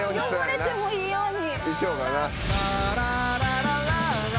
汚れてもいいように。